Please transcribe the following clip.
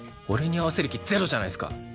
俺に合わせる気ゼロじゃないすか！